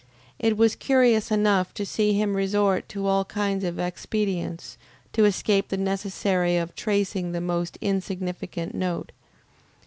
It was curious enough to see him resort to all kinds of expedients to escape the necessity of tracing the most insignificant note.